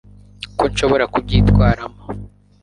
ko nshobora kubyitwaramo